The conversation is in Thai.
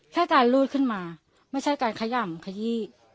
การรูดขึ้นมาไม่ใช่การขย่ำขยี้